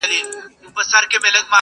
یوه ورځ عطار د ښار د باندي تللی!